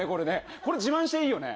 これ自慢していいよね。